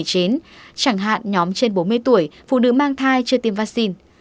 chẳng hạn nhóm trên bốn mươi tuổi phụ nữ mang thai chưa tiêm vaccine